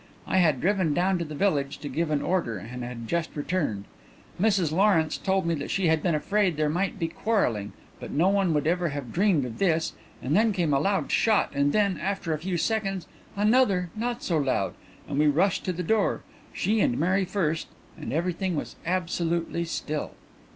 I had driven down to the village, to give an order, and had just returned. Mrs Lawrence told me that she had been afraid there might be quarrelling, but no one would ever have dreamed of this, and then came a loud shot and then, after a few seconds, another not so loud, and we rushed to the door she and Mary first and everything was absolutely still."